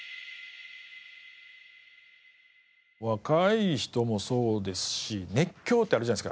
若い人もそうですし熱狂ってあるじゃないですか。